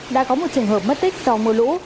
đã có một trường hợp mất tích do mưa lũ